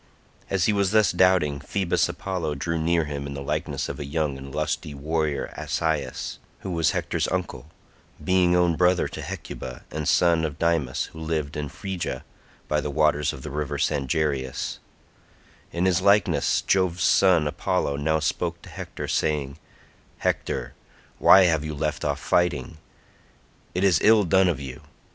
As he was thus doubting Phoebus Apollo drew near him in the likeness of a young and lusty warrior Asius, who was Hector's uncle, being own brother to Hecuba, and son of Dymas who lived in Phrygia by the waters of the river Sangarius; in his likeness Jove's son Apollo now spoke to Hector saying, "Hector, why have you left off fighting? It is ill done of you.